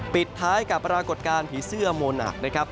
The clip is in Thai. ปิดท้ายกับปรากฏการณ์ผีเสื้อโมหนักนะครับ